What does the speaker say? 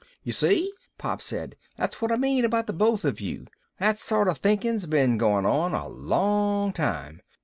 "You see?" Pop said. "That's what I mean about the both of you. That sort of thinking's been going on a long time.